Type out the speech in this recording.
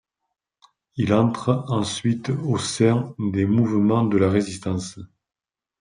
Il entre ensuite au sein des mouvements de la Résistance.